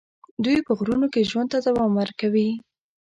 دوی په غرونو کې ژوند ته دوام ورکوي.